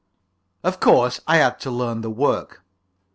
Of course, I had to learn the work.